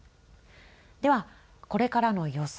では、これからの予想